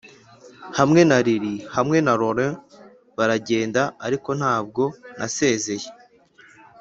hamwe na lili hamwe na laurel baragenda; ariko ntabwo nasezeye.